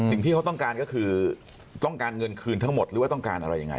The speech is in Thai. สิ่งที่เขาต้องการก็คือต้องการเงินคืนทั้งหมดหรือว่าต้องการอะไรยังไง